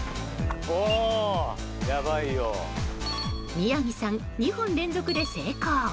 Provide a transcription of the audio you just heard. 宮城さん、２本連続で成功。